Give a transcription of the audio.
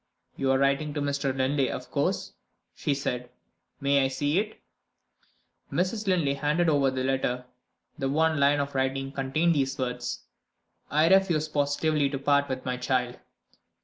"You are writing to Mr. Linley, of course," she said. "May I see it?" Mrs. Linley handed the letter to her. The one line of writing contained these words: "I refuse positively to part with my child.